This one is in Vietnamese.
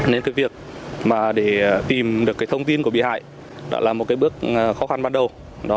nên cái việc mà để tìm được cái thông tin của bị hại đã là một cái bước khó khăn ban đầu